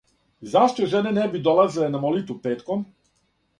Зашто жене не би долазиле на молитву петком?